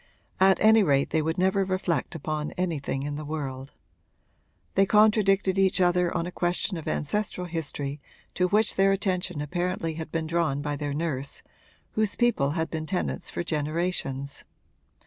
At any rate they would never reflect upon anything in the world. They contradicted each other on a question of ancestral history to which their attention apparently had been drawn by their nurse, whose people had been tenants for generations.